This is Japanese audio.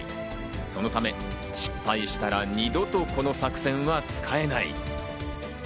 そのため失敗したら二度とこの作戦は使えない。